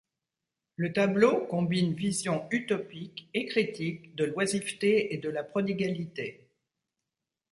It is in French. Le tableau combine vision utopique et critique de l'oisiveté et de la prodigalité.